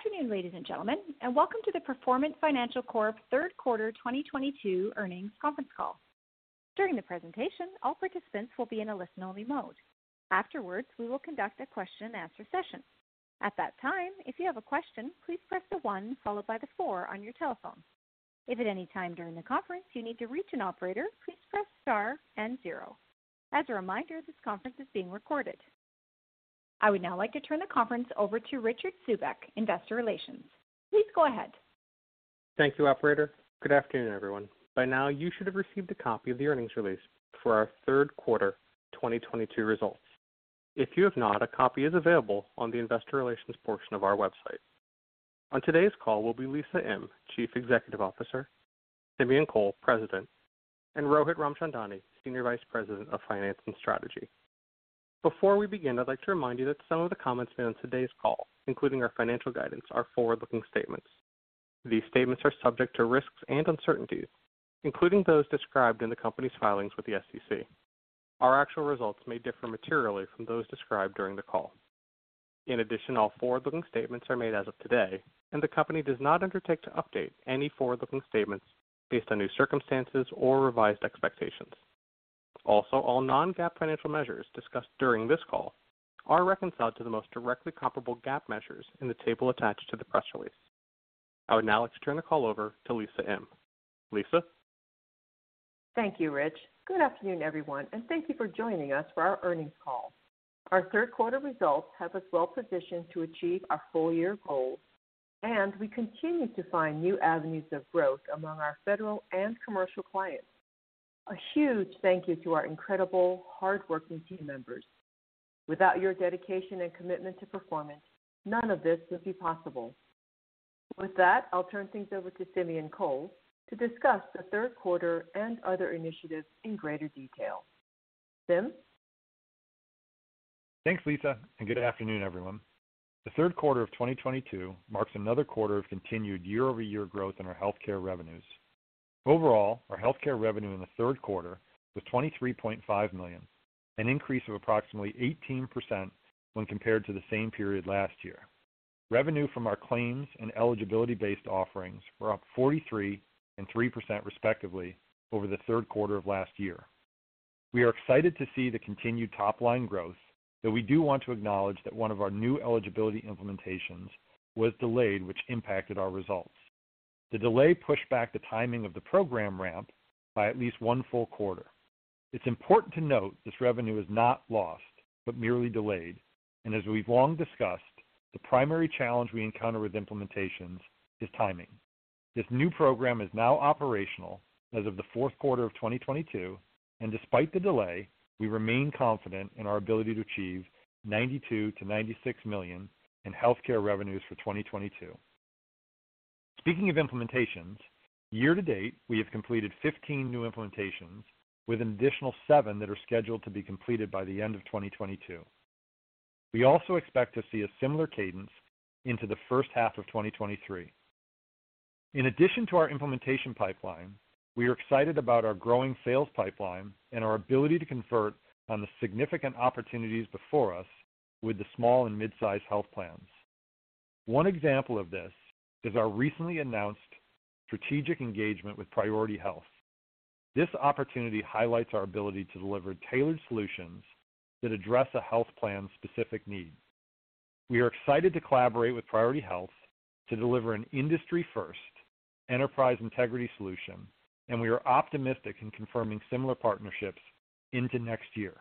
Good afternoon, ladies and gentlemen, and welcome to the Performant Financial Corporation Third Quarter 2022 earnings conference call. During the presentation, all participants will be in a listen-only mode. Afterwards, we will conduct a question and answer session. At that time, if you have a question, please press the one followed by the four on your telephone. If at any time during the conference you need to reach an operator, please press star and zero. As a reminder, this conference is being recorded. I would now like to turn the conference over to Richard Zubek, Investor Relations. Please go ahead. Thank you, operator. Good afternoon, everyone. By now you should have received a copy of the earnings release for our third quarter 2022 results. If you have not, a copy is available on the investor relations portion of our website. On today's call will be Lisa Im, Chief Executive Officer, Simeon Kohl, President, and Rohit Ramchandani, Senior Vice President of Finance and Strategy. Before we begin, I'd like to remind you that some of the comments made on today's call, including our financial guidance, are forward-looking statements. These statements are subject to risks and uncertainties, including those described in the company's filings with the SEC. Our actual results may differ materially from those described during the call. In addition, all forward-looking statements are made as of today, and the company does not undertake to update any forward-looking statements based on new circumstances or revised expectations. Also, all non-GAAP financial measures discussed during this call are reconciled to the most directly comparable GAAP measures in the table attached to the press release. I would now like to turn the call over to Lisa Im. Lisa? Thank you, Rich. Good afternoon, everyone, and thank you for joining us for our earnings call. Our third quarter results have us well positioned to achieve our full year goals, and we continue to find new avenues of growth among our federal and commercial clients. A huge thank you to our incredible hardworking team members. Without your dedication and commitment to Performant, none of this would be possible. With that, I'll turn things over to Simeon Kohl to discuss the third quarter and other initiatives in greater detail. Sim? Thanks, Lisa, and good afternoon, everyone. The third quarter of 2022 marks another quarter of continued year-over-year growth in our healthcare revenues. Overall, our healthcare revenue in the third quarter was $23.5 million, an increase of approximately 18% when compared to the same period last year. Revenue from our claims and eligibility-based offerings were up 43% and 3% respectively over the third quarter of last year. We are excited to see the continued top-line growth, though we do want to acknowledge that one of our new eligibility implementations was delayed, which impacted our results. The delay pushed back the timing of the program ramp by at least one full quarter. It's important to note this revenue is not lost but merely delayed, and as we've long discussed, the primary challenge we encounter with implementations is timing. This new program is now operational as of the fourth quarter of 2022, and despite the delay, we remain confident in our ability to achieve $92-$96 million in healthcare revenues for 2022. Speaking of implementations, year to date, we have completed 15 new implementations with an additional 7 that are scheduled to be completed by the end of 2022. We also expect to see a similar cadence into the first half of 2023. In addition to our implementation pipeline, we are excited about our growing sales pipeline and our ability to convert on the significant opportunities before us with the small and mid-sized health plans. One example of this is our recently announced strategic engagement with Priority Health. This opportunity highlights our ability to deliver tailored solutions that address a health plan's specific needs. We are excited to collaborate with Priority Health to deliver an industry-first enterprise integrity solution, and we are optimistic in confirming similar partnerships into next year.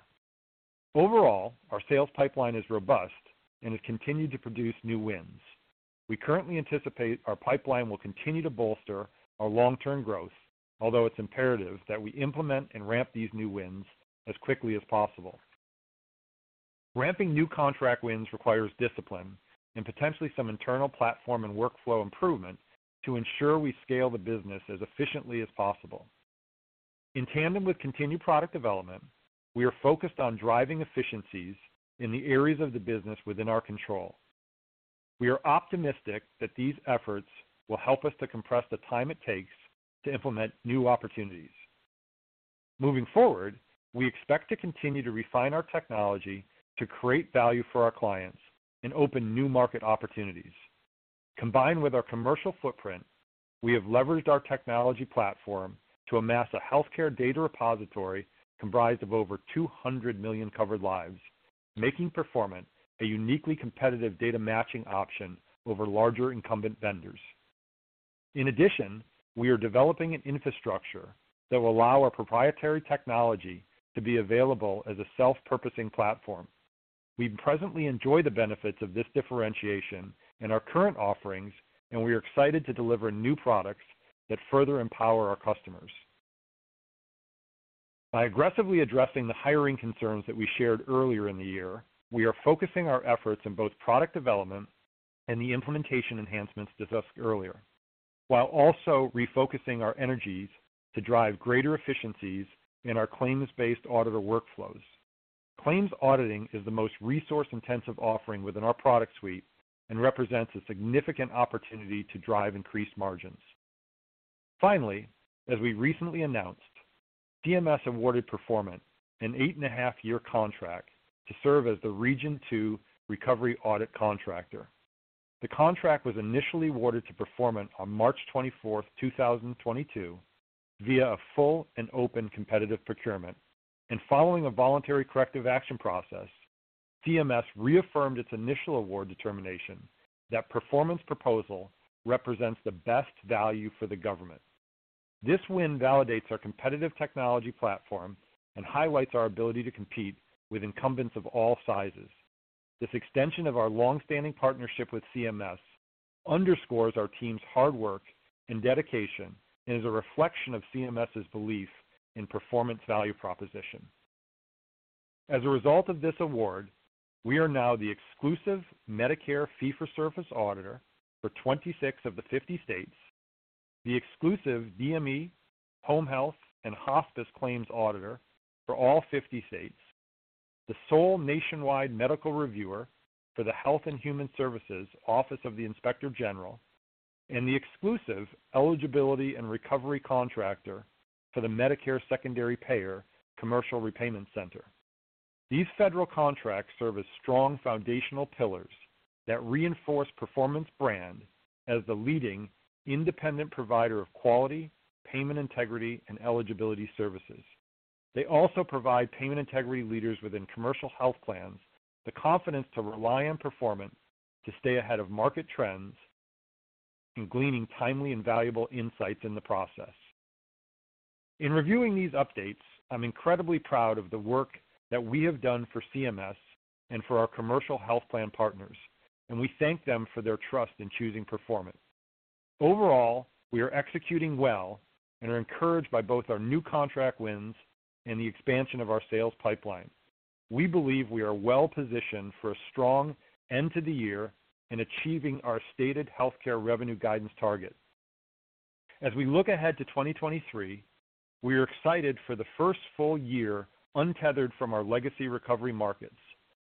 Overall, our sales pipeline is robust and has continued to produce new wins. We currently anticipate our pipeline will continue to bolster our long-term growth, although it's imperative that we implement and ramp these new wins as quickly as possible. Ramping new contract wins requires discipline and potentially some internal platform and workflow improvement to ensure we scale the business as efficiently as possible. In tandem with continued product development, we are focused on driving efficiencies in the areas of the business within our control. We are optimistic that these efforts will help us to compress the time it takes to implement new opportunities. Moving forward, we expect to continue to refine our technology to create value for our clients and open new market opportunities. Combined with our commercial footprint, we have leveraged our technology platform to amass a healthcare data repository comprised of over 200 million covered lives, making Performant a uniquely competitive data matching option over larger incumbent vendors. In addition, we are developing an infrastructure that will allow our proprietary technology to be available as a self-purposing platform. We presently enjoy the benefits of this differentiation in our current offerings, and we are excited to deliver new products that further empower our customers. By aggressively addressing the hiring concerns that we shared earlier in the year, we are focusing our efforts in both product development and the implementation enhancements discussed earlier, while also refocusing our energies to drive greater efficiencies in our claims-based auditor workflows. Claims auditing is the most resource-intensive offering within our product suite and represents a significant opportunity to drive increased margins. Finally, as we recently announced, CMS awarded Performant an 8.5-year contract to serve as the Region 2 recovery audit contractor. The contract was initially awarded to Performant on March 24, 2022, via a full and open competitive procurement. Following a voluntary corrective action process, CMS reaffirmed its initial award determination that Performant's proposal represents the best value for the government. This win validates our competitive technology platform and highlights our ability to compete with incumbents of all sizes. This extension of our long-standing partnership with CMS underscores our team's hard work and dedication and is a reflection of CMS's belief in Performant's value proposition. As a result of this award, we are now the exclusive Medicare fee-for-service auditor for 26 of the 50 states, the exclusive DME, home health, and hospice claims auditor for all 50 states, the sole nationwide medical reviewer for the Health and Human Services Office of the Inspector General, and the exclusive eligibility and recovery contractor for the Medicare Secondary Payer Commercial Repayment Center. These federal contracts serve as strong foundational pillars that reinforce Performant's brand as the leading independent provider of quality, payment integrity, and eligibility services. They also provide payment integrity leaders within commercial health plans the confidence to rely on Performant to stay ahead of market trends and gleaning timely and valuable insights in the process. In reviewing these updates, I'm incredibly proud of the work that we have done for CMS and for our commercial health plan partners, and we thank them for their trust in choosing Performant. Overall, we are executing well and are encouraged by both our new contract wins and the expansion of our sales pipeline. We believe we are well-positioned for a strong end to the year in achieving our stated healthcare revenue guidance target. As we look ahead to 2023, we are excited for the first full year untethered from our legacy recovery markets,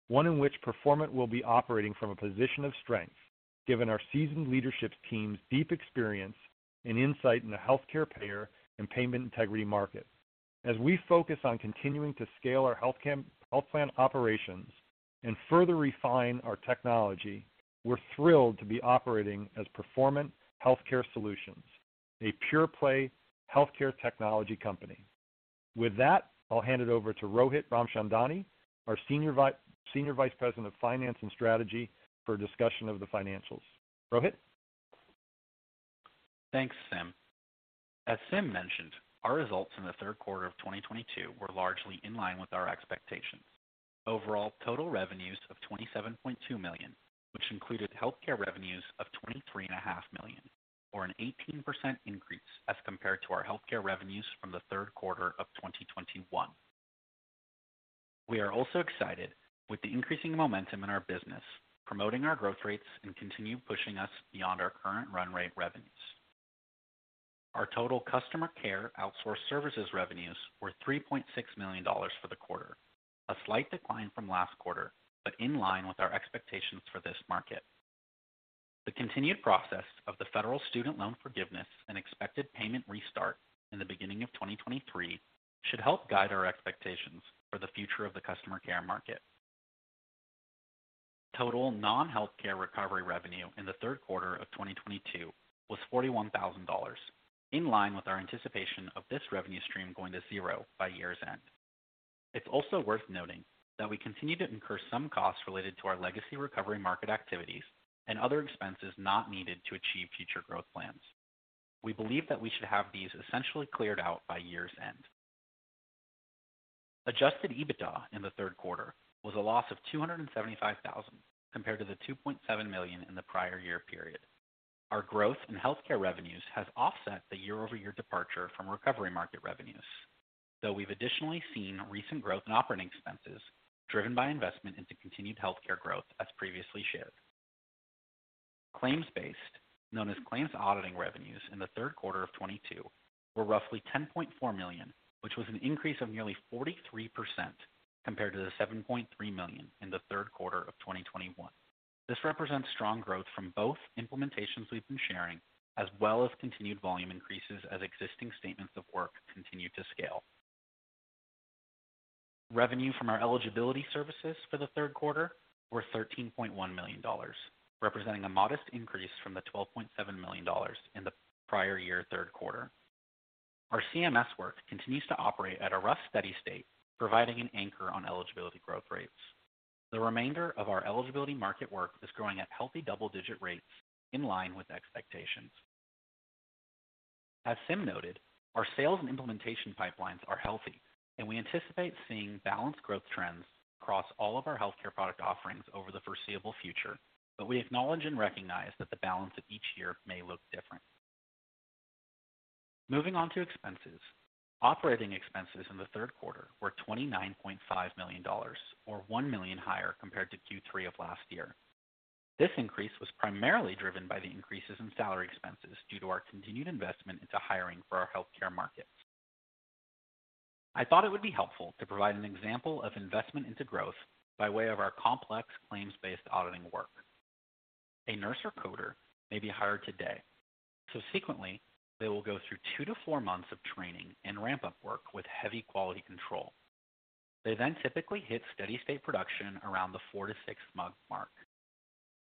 one in which Performant will be operating from a position of strength, given our seasoned leadership team's deep experience and insight in the healthcare payer and payment integrity market. As we focus on continuing to scale our health plan operations and further refine our technology, we're thrilled to be operating as Performant Healthcare Solutions, a pure-play healthcare technology company. With that, I'll hand it over to Rohit Ramchandani, our Senior Vice President of Finance and Strategy, for a discussion of the financials. Rohit? Thanks, Sim. As Sim mentioned, our results in the third quarter of 2022 were largely in line with our expectations. Overall, total revenues of $27.2 million, which included healthcare revenues of $23.5 million, or an 18% increase as compared to our healthcare revenues from the third quarter of 2021. We are also excited with the increasing momentum in our business, promoting our growth rates, and continue pushing us beyond our current run rate revenues. Our total customer care outsourced services revenues were $3.6 million for the quarter, a slight decline from last quarter, but in line with our expectations for this market. The continued progress of the federal student loan forgiveness and expected payment restart in the beginning of 2023 should help guide our expectations for the future of the customer care market. Total non-healthcare recovery revenue in the third quarter of 2022 was $41 thousand, in line with our anticipation of this revenue stream going to 0 by year's end. It's also worth noting that we continue to incur some costs related to our legacy recovery market activities and other expenses not needed to achieve future growth plans. We believe that we should have these essentially cleared out by year's end. Adjusted EBITDA in the third quarter was a loss of $275 thousand compared to the $2.7 million in the prior year period. Our growth in healthcare revenues has offset the year-over-year departure from recovery market revenues, though we've additionally seen recent growth in operating expenses driven by investment into continued healthcare growth, as previously shared. Claims-based, known as claims auditing revenues in the third quarter of 2022 were roughly $10.4 million, which was an increase of nearly 43% compared to the $7.3 million in the third quarter of 2021. This represents strong growth from both implementations we've been sharing, as well as continued volume increases as existing statements of work continue to scale. Revenue from our eligibility services for the third quarter were $13.1 million, representing a modest increase from the $12.7 million in the prior year third quarter. Our CMS work continues to operate at a roughly steady state, providing an anchor on eligibility growth rates. The remainder of our eligibility market work is growing at healthy double-digit rates in line with expectations. As Sim noted, our sales and implementation pipelines are healthy, and we anticipate seeing balanced growth trends across all of our healthcare product offerings over the foreseeable future, but we acknowledge and recognize that the balance of each year may look different. Moving on to expenses. Operating expenses in the third quarter were $29.5 million or $1 million higher compared to Q3 of last year. This increase was primarily driven by the increases in salary expenses due to our continued investment into hiring for our healthcare markets. I thought it would be helpful to provide an example of investment into growth by way of our complex claims-based auditing work. A nurse or coder may be hired today. Subsequently, they will go through 2-4 months of training and ramp-up work with heavy quality control. They then typically hit steady state production around the 4- to 6-month mark.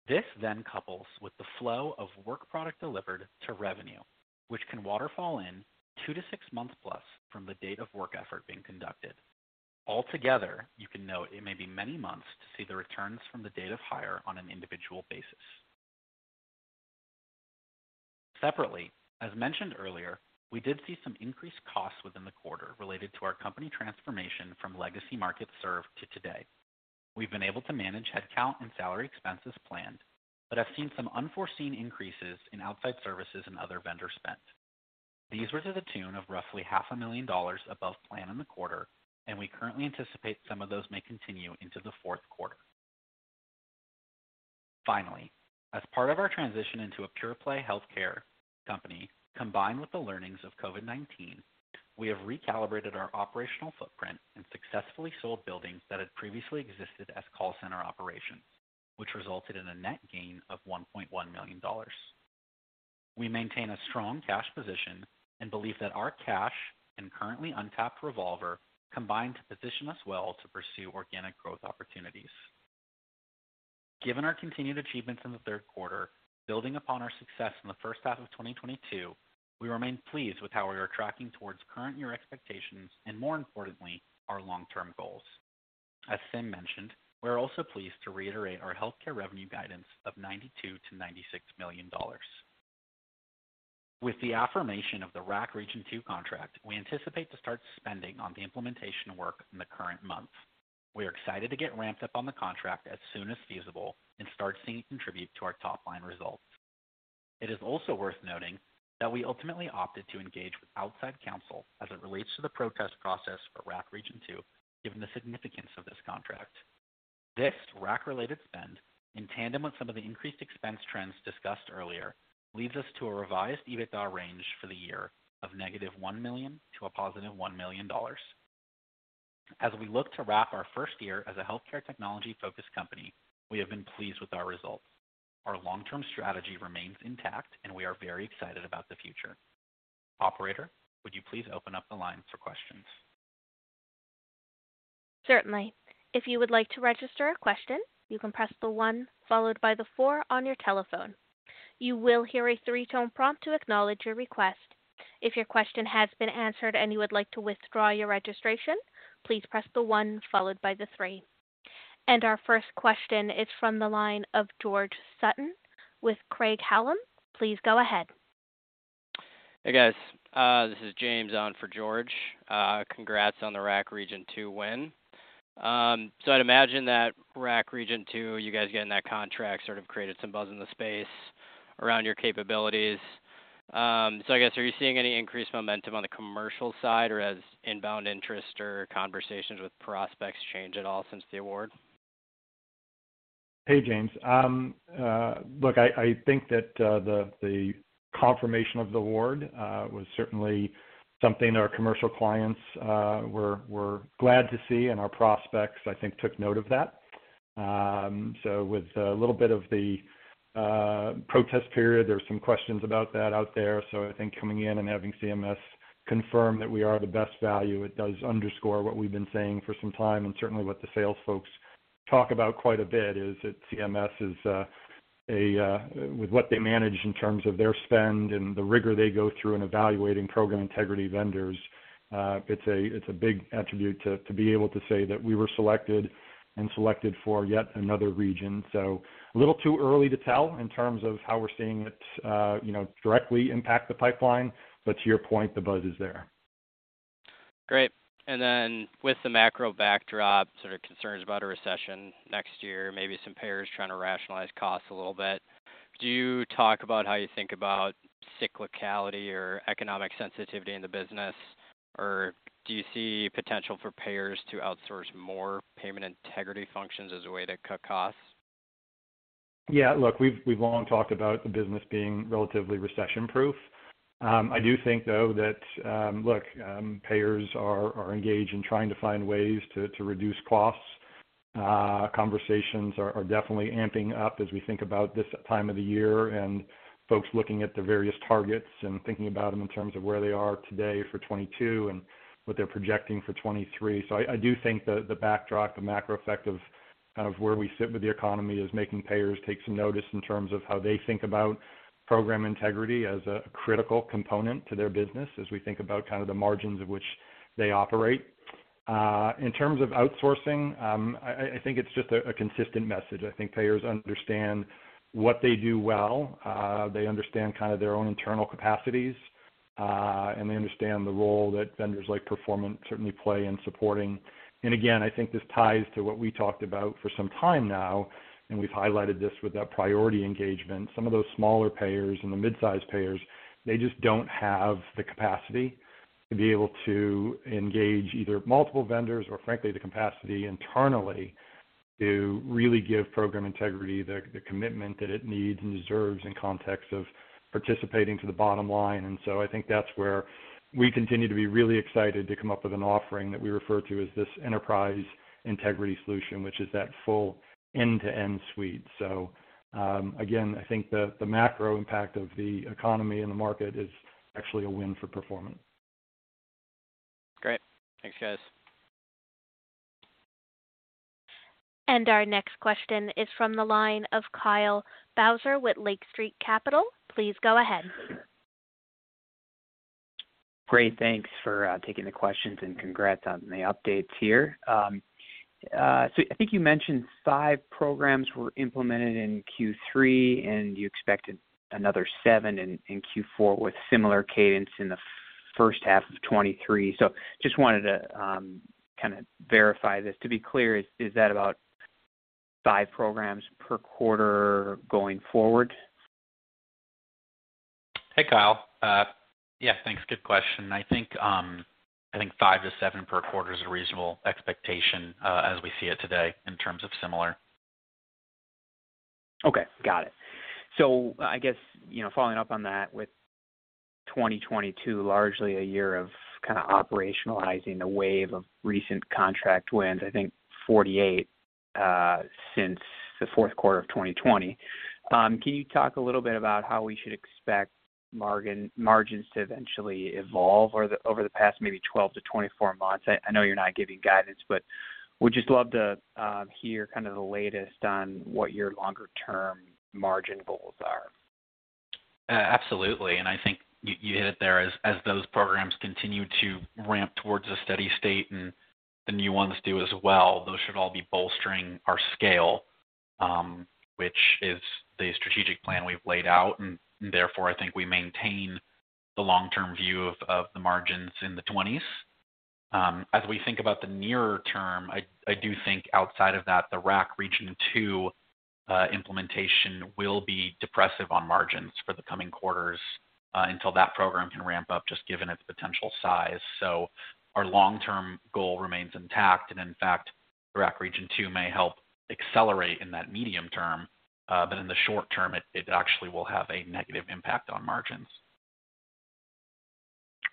This then couples with the flow of work product delivered to revenue, which can waterfall in 2-6 months plus from the date of work effort being conducted. Altogether, you can note it may be many months to see the returns from the date of hire on an individual basis. Separately, as mentioned earlier, we did see some increased costs within the quarter related to our company transformation from legacy markets served to today. We've been able to manage headcount and salary expenses planned, but have seen some unforeseen increases in outside services and other vendor spends. These were to the tune of roughly half a million dollars above plan in the quarter, and we currently anticipate some of those may continue into the fourth quarter. Finally, as part of our transition into a pure play healthcare company, combined with the learnings of COVID-19, we have recalibrated our operational footprint and successfully sold buildings that had previously existed as call center operations, which resulted in a net gain of $1.1 million. We maintain a strong cash position and believe that our cash and currently untapped revolver combine to position us well to pursue organic growth opportunities. Given our continued achievements in the third quarter, building upon our success in the first half of 2022, we remain pleased with how we are tracking towards current year expectations and more importantly, our long-term goals. As Sim mentioned, we're also pleased to reiterate our healthcare revenue guidance of $92 million-$96 million. With the affirmation of the RAC Region 2 contract, we anticipate to start spending on the implementation work in the current month. We are excited to get ramped up on the contract as soon as feasible and start seeing it contribute to our top-line results. It is also worth noting that we ultimately opted to engage with outside counsel as it relates to the protest process for RAC Region Two, given the significance of this contract. This RAC-related spend, in tandem with some of the increased expense trends discussed earlier, leads us to a revised EBITDA range for the year of negative $1 million to $1 million. As we look to wrap our first year as a healthcare technology-focused company, we have been pleased with our results. Our long-term strategy remains intact, and we are very excited about the future. Operator, would you please open up the line for questions? Certainly. If you would like to register a question, you can press the 1 followed by the 4 on your telephone. You will hear a 3-tone prompt to acknowledge your request. If your question has been answered and you would like to withdraw your registration, please press the 1 followed by the 3. Our first question is from the line of George Sutton with Craig-Hallum Capital Group. Please go ahead. Hey, guys, this is James on for George. Congrats on the RAC Region Two win. I'd imagine that RAC Region Two, you guys getting that contract sort of created some buzz in the space around your capabilities. I guess, are you seeing any increased momentum on the commercial side or has inbound interest or conversations with prospects change at all since the award? Hey, James. Look, I think that the confirmation of the award was certainly something our commercial clients were glad to see, and our prospects, I think, took note of that. With a little bit of the protest period, there were some questions about that out there. I think coming in and having CMS confirm that we are the best value, it does underscore what we've been saying for some time, and certainly what the sales folks talk about quite a bit, is that with what they manage in terms of their spend and the rigor they go through in evaluating program integrity vendors, it's a big attribute to be able to say that we were selected for yet another region. A little too early to tell in terms of how we're seeing it, you know, directly impact the pipeline, but to your point, the buzz is there. Great. With the macro backdrop, sort of concerns about a recession next year, maybe some payers trying to rationalize costs a little bit, do you talk about how you think about cyclicality or economic sensitivity in the business? Or do you see potential for payers to outsource more payment integrity functions as a way to cut costs? Yeah. Look, we've long talked about the business being relatively recession-proof. I do think, though, that look, payers are engaged in trying to find ways to reduce costs. Conversations are definitely amping up as we think about this time of the year and folks looking at the various targets and thinking about them in terms of where they are today for 2022 and what they're projecting for 2023. I do think the backdrop, the macro effect of where we sit with the economy is making payers take some notice in terms of how they think about program integrity as a critical component to their business as we think about kind of the margins of which they operate. In terms of outsourcing, I think it's just a consistent message. I think payers understand what they do well, they understand kind of their own internal capacities, and they understand the role that vendors like Performant certainly play in supporting. Again, I think this ties to what we talked about for some time now, and we've highlighted this with our priority engagement. Some of those smaller payers and the mid-size payers, they just don't have the capacity to be able to engage either multiple vendors or frankly, the capacity internally. To really give program integrity the commitment that it needs and deserves in context of participating to the bottom line. I think that's where we continue to be really excited to come up with an offering that we refer to as this enterprise integrity solution, which is that full end-to-end suite. Again, I think the macro impact of the economy and the market is actually a win for Performant. Great. Thanks, guys. Our next question is from the line of Kyle Bauser with Lake Street Capital Markets. Please go ahead. Great. Thanks for taking the questions and congrats on the updates here. I think you mentioned five programs were implemented in Q3, and you expected another seven in Q4 with similar cadence in the first half of 2023. Just wanted to kinda verify this. To be clear, is that about five programs per quarter going forward? Hey, Kyle. Yeah, thanks. Good question. I think 5-7 per quarter is a reasonable expectation, as we see it today in terms of similar. Okay, got it. I guess, you know, following up on that with 2022 largely a year of kinda operationalizing the wave of recent contract wins, I think 48 since the fourth quarter of 2020. Can you talk a little bit about how we should expect margins to eventually evolve over the past maybe 12-24 months? I know you're not giving guidance, but would you love to hear kinda the latest on what your longer term margin goals are? Absolutely. I think you hit it there. As those programs continue to ramp towards a steady state and the new ones do as well, those should all be bolstering our scale, which is the strategic plan we've laid out. Therefore, I think we maintain the long-term view of the margins in the twenties. As we think about the nearer term, I do think outside of that, the RAC Region Two implementation will be depressive on margins for the coming quarters, until that program can ramp up, just given its potential size. Our long-term goal remains intact, and in fact, RAC Region Two may help accelerate in that medium term. In the short term, it actually will have a negative impact on margins.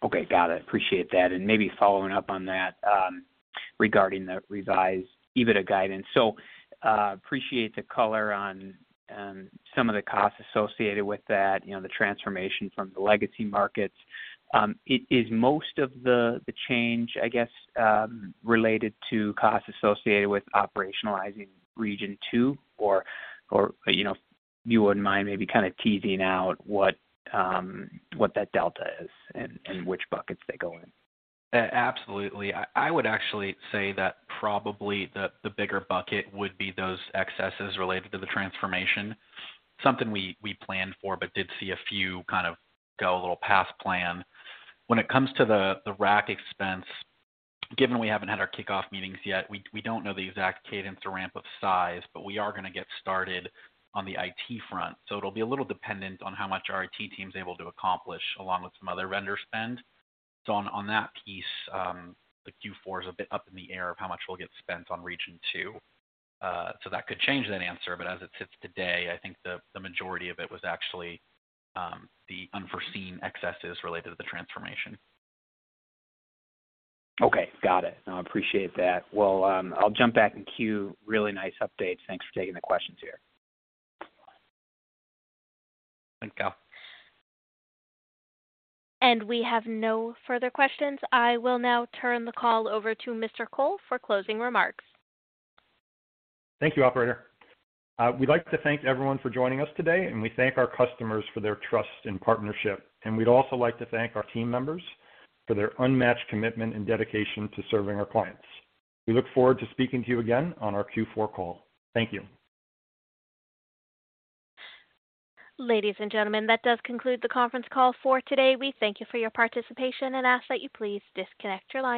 Okay, got it. Appreciate that. Maybe following up on that, regarding the revised EBITDA guidance. Appreciate the color on some of the costs associated with that, you know, the transformation from the legacy markets. Is most of the change, I guess, related to costs associated with operationalizing Region Two? Or, you know, you wouldn't mind maybe kinda teasing out what that delta is and which buckets they go in. Absolutely. I would actually say that probably the bigger bucket would be those excesses related to the transformation. Something we planned for, but did see a few kind of go a little past plan. When it comes to the RAC expense, given we haven't had our kickoff meetings yet, we don't know the exact cadence or ramp of size, but we are gonna get started on the IT front. It'll be a little dependent on how much our IT team's able to accomplish, along with some other vendor spend. On that piece, the Q4 is a bit up in the air of how much will get spent on Region Two. That could change that answer, but as it sits today, I think the majority of it was actually the unforeseen excesses related to the transformation. Okay, got it. No, appreciate that. Well, I'll jump back in queue. Really nice updates. Thanks for taking the questions here. Thank you. We have no further questions. I will now turn the call over to Mr. Kohl for closing remarks. Thank you, operator. We'd like to thank everyone for joining us today, and we thank our customers for their trust and partnership. We'd also like to thank our team members for their unmatched commitment and dedication to serving our clients. We look forward to speaking to you again on our Q4 call. Thank you. Ladies and gentlemen, that does conclude the conference call for today. We thank you for your participation and ask that you please disconnect your lines.